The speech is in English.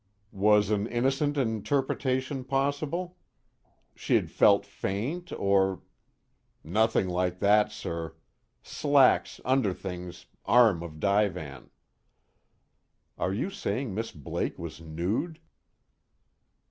"Was an innocent interpretation possible? She'd felt faint, or " "Nothing like that, sir. Slacks, underthings, arm of divan." "Are you saying Miss Blake was nude?"